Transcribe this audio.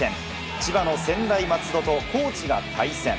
千葉の専大松戸と高知が対戦。